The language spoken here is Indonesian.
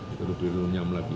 itu lebih lumnyam lagi